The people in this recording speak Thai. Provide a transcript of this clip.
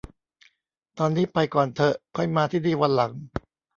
ตอนนี้ไปก่อนเถอะ ค่อยมาที่นี่วันหลัง